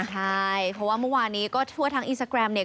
ใช่เพราะว่าเมื่อวานนี้ก็ทั่วทั้งอินสตาแกรมเนี่ย